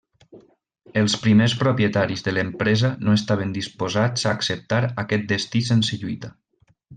Els primers propietaris de l'empresa no estaven disposats a acceptar aquest destí sense lluita.